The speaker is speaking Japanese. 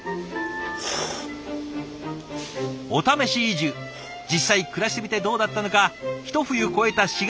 おためし移住実際暮らしてみてどうだったのか一冬越えた４月